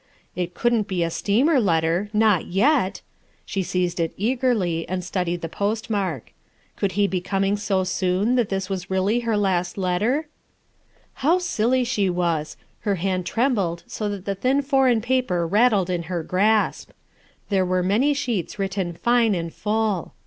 It couldn't be a steamer letter I not yet ! She seized it eagerly and studied the postmark. Could he be coming so soon that this was really her last letter ? How silly she was I her hand trembled so that the thin foreign paper rattled in her grasp. There were many sheets written fine and full.